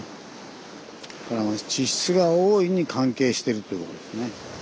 これは地質が大いに関係してるということですね。